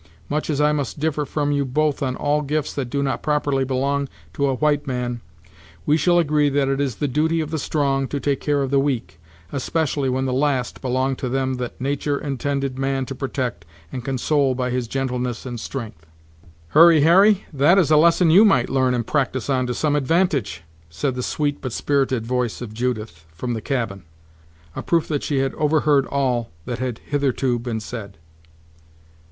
Much as I must differ from you both on all gifts that do not properly belong to a white man, we shall agree that it is the duty of the strong to take care of the weak, especially when the last belong to them that natur' intended man to protect and console by his gentleness and strength." "Hurry Harry, that is a lesson you might learn and practise on to some advantage," said the sweet, but spirited voice of Judith, from the cabin; a proof that she had over heard all that had hitherto been said.